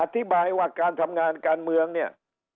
อธิบายว่าการทำงานการเมืองเนี่ย